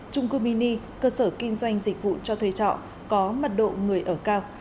trung cư mini cơ sở kinh doanh dịch vụ cho thuê trọ có mật độ người ở cao